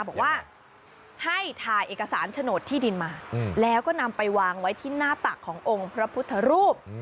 บอกว่าให้ถ่ายเอกสารโฉนดที่ดินมาแล้วก็นำไปวางไว้ที่หน้าตักขององค์พระพุทธรูป